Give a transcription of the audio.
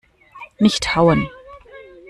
Nicht hauen!